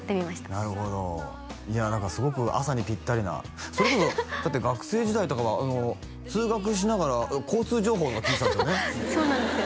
なるほどいや何かすごく朝にピッタリなそれこそだって学生時代とかは通学しながら交通情報の聞いてたんですよねそうなんですよ